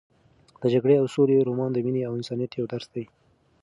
د جګړې او سولې رومان د مینې او انسانیت یو درس دی.